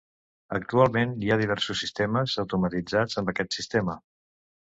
Actualment hi ha diversos sistemes automatitzats amb aquest sistema.